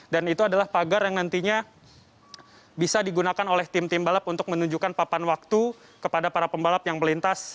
dan itu adalah pagar yang nantinya bisa digunakan oleh tim tim balap untuk menunjukkan papan waktu kepada para pembalap yang melintas